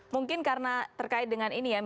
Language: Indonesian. mungkin karena terkait dengan ini ya pak budi